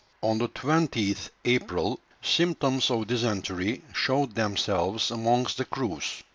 On the 20th April, symptoms of dysentery showed themselves amongst the crews.